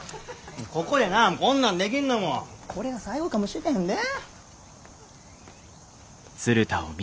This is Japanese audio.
ここでなこんなんできんのもこれが最後かもしれへんで。